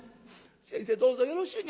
「先生どうぞよろしゅうに」。